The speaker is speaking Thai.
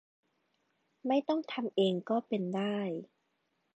ไม่ต้องทำเอง ก็เป็นได้